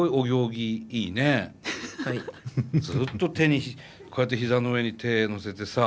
ずっとこうやって膝の上に手載せてさ。